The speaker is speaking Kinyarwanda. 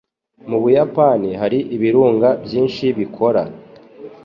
Mu Buyapani hari ibirunga byinshi bikora.